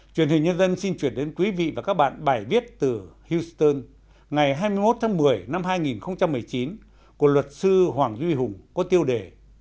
truyền hình nhân dân xin chuyển đến quý vị và các bạn bài viết từ houston ngày hai mươi một tháng một mươi năm hai nghìn một mươi chín của luật sư hoàng duy hùng có tiêu đề